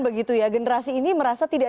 begitu ya generasi ini merasa tidak